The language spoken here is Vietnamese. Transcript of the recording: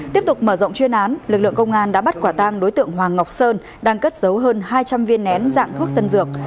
tiếp tục mở rộng chuyên án lực lượng công an đã bắt quả tang đối tượng hoàng ngọc sơn đang cất dấu hơn hai trăm linh viên nén dạng thuốc tân dược